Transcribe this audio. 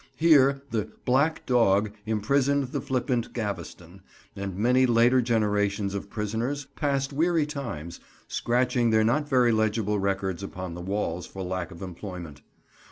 Here the "Black Dog" imprisoned the flippant Gaveston, and many later generations of prisoners passed weary times, scratching their not very legible records upon the walls for lack of employment.